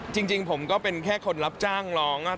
จริงผมก็เป็นแค่คนรับจ้างร้อง